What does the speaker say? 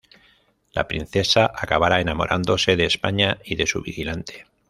La princesa acabará enamorándose de España y de su vigilante.